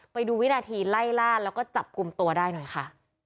ไปดูวินาทีไล่ล่าแล้วก็จับกลุ่มตัวได้หน่อยค่ะ